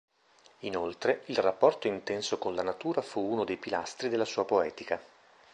Inoltre, il rapporto intenso con la natura fu uno dei pilastri della sua poetica.